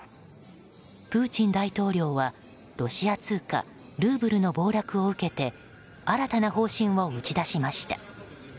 プーチン大統領はロシア通貨ルーブルの暴落を受けて新たな方針を打ち出しました。